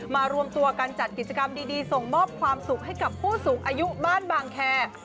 รวมตัวกันจัดกิจกรรมดีส่งมอบความสุขให้กับผู้สูงอายุบ้านบางแคร์